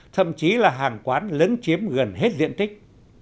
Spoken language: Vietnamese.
thậm chí là hàng quán lấn chiếm gần hết diện tích